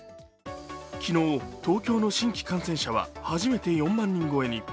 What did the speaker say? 昨日、東京の新規感染者は初めて４万人超えに。